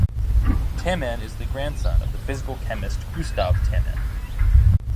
Tammann is the grandson of the physical chemist Gustav Tammann.